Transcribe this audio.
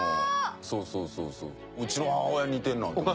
そうそうそうそううちの母親に似てるなと思って。